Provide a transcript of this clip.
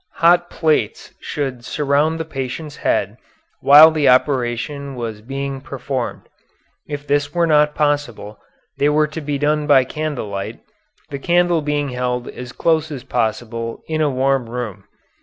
Hot plates should surround the patient's head while the operation was being performed. If this were not possible they were to be done by candlelight, the candle being held as close as possible in a warm room.